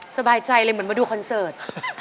สบายใจเลยเหมือนมาดูคอนเสิร์ต